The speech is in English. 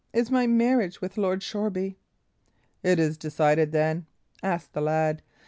is my marriage with Lord Shoreby." "Is it decided, then?" asked the lad.